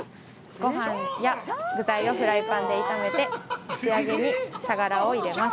ごはんや具材をフライパンで炒めて仕上げに茶殻を入れます。